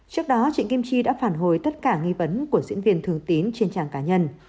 trước đó chị kim chi đã phản hồi tất cả nghi vấn của diễn viên thường tín trên trang cá nhân